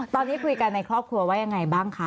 ตอนนี้คุยกันในครอบครัวว่ายังไงบ้างคะ